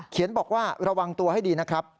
บอกว่าระวังตัวให้ดีนะครับ